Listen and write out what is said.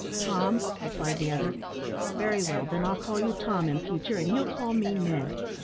"Tom," replied the other. "Very well; then I'll call you Tom in future, and you'll call me Ned.